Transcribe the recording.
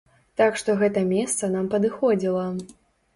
Так што гэта месца нам падыходзіла.